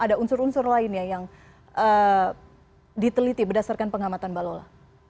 ada unsur unsur lainnya yang diteliti berdasarkan pengamatan mbak lola